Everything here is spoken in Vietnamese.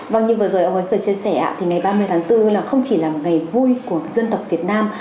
vâng như vừa rồi ông ấy phải chia sẻ thì ngày ba mươi tháng bốn không chỉ là ngày vui của dân tộc việt nam